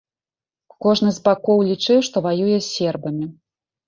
Кожны з бакоў лічыў, што ваюе з сербамі.